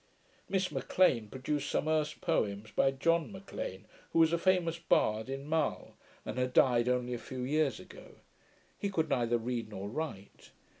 Miss M'Lean produced some Erse poems by John M'Lean, who was a famous bard in Mull, and had died only a few years ago. He could neither read nor write.